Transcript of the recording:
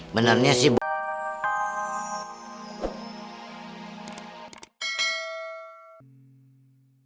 benernya sih buah